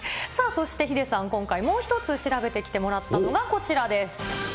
そしてヒデさん、今回、もう１つ調べてきてもらったのが、こちらです。